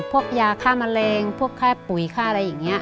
พวกยาฆ่ามะเร็งพวกค่าปุ๋ยค่าอะไรอย่างนี้